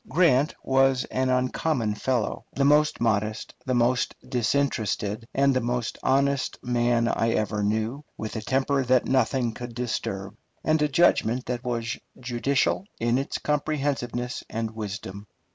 Grant was an uncommon fellow the most modest, the most disinterested, and the most honest man I ever knew, with a temper that nothing could disturb, and a judgment that was judicial in its comprehensiveness and wisdom.